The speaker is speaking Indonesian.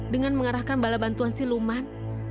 dengan mengarahkan bala bantuan si luman